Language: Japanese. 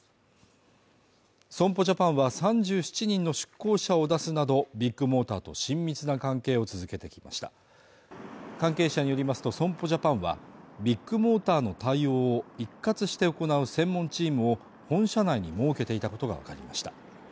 損保ジャパンは３７人の出向者を出すなどビッグモーターと親密な関係を続けてきました関係者によりますと損保ジャパンはビッグモーターの対応を一括して行う専門チームを本社内に設けていたことが分かりました